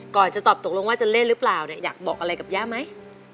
จะตอบตกลงว่าจะเล่นหรือเปล่าเนี่ยอยากบอกอะไรกับย่าไหม